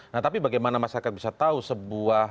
nah tapi bagaimana masyarakat bisa tahu sebuah